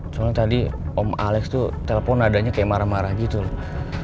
soalnya tadi om alex tuh telepon nadanya kayak marah marah gitu loh